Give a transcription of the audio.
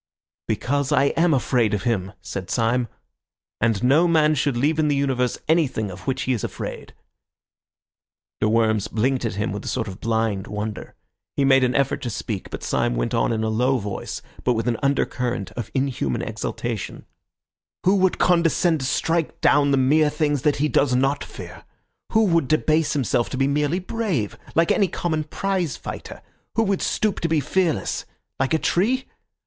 "Because I am afraid of him," said Syme; "and no man should leave in the universe anything of which he is afraid." De Worms blinked at him with a sort of blind wonder. He made an effort to speak, but Syme went on in a low voice, but with an undercurrent of inhuman exaltation— "Who would condescend to strike down the mere things that he does not fear? Who would debase himself to be merely brave, like any common prizefighter? Who would stoop to be fearless—like a tree?